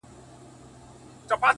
ه یاره دا زه څه اورمه _ څه وینمه _